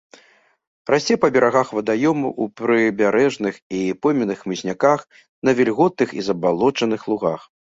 Расце па берагах вадаёмаў, у прыбярэжных і пойменных хмызняках, на вільготных і забалочаных лугах.